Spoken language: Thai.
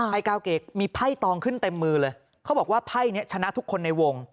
กาวเกะมีไพ่ตองขึ้นเต็มมือเลยเขาบอกว่าไพ่นี้ชนะทุกคนในวง